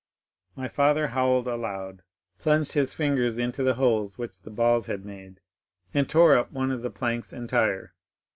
"My father howled aloud, plunged his fingers into the holes which the balls had made, and tore up one of the planks entire.